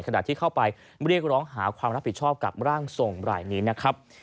ขณะที่เข้าไปเรียกร้องหาความรับผิดชอบกับร่างทรงรายนี้นะครับ